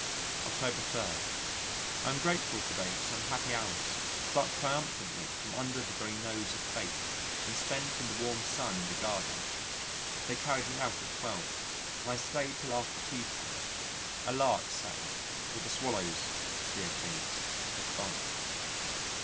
October 3. I am grateful to day for some happy hours plucked triumphantly from under the very nose of Fate, and spent in the warm sun in the garden. They carried me out at 12, and I stayed till after tea time. A Lark sang, but the Swallows dear things have gone.